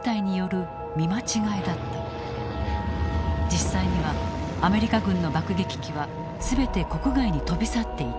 実際にはアメリカ軍の爆撃機は全て国外に飛び去っていた。